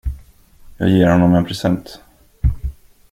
Jag ger honom en present.